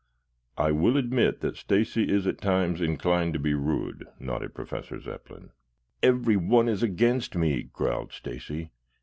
"I will admit that Stacy is at times inclined to be rude," nodded Professor Zepplin. "Everyone is against me," growled Stacy.